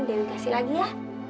dewi kasih lagi ya